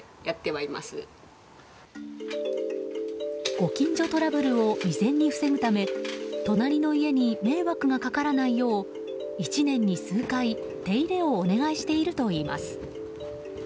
ご近所トラブルを未然に防ぐため隣の家に迷惑がかからないよう１年に数回手入れをお願いしているといいます。